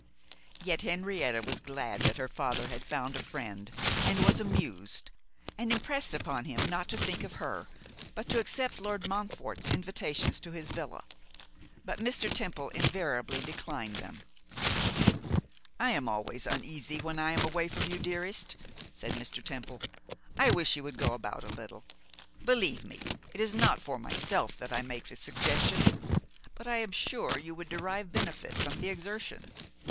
Yet Henrietta was glad that her father had found a friend and was amused, and impressed upon him not to think of her, but to accept Lord Montfort's invitations to his villa. But Mr. Temple invariably declined them. 'I am always uneasy when I am away from you, dearest,' said Mr. Temple; 'I wish you would go about a little. Believe me, it is not for myself that I make the suggestion, but I am sure you would derive benefit from the exertion.